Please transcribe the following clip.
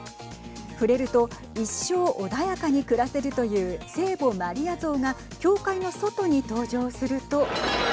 触れると一生穏やかに暮らせるという聖母マリア像が教会の外に登場すると。